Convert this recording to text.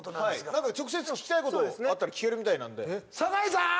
何か直接聞きたいことあったら聞けるみたいなんで酒井さーん